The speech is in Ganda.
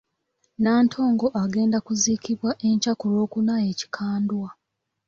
Nantongo agenda kuziikibwa enkya ku Lwokuna e Kikandwa.